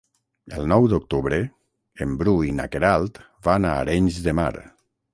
El nou d'octubre en Bru i na Queralt van a Arenys de Mar.